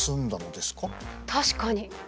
確かに。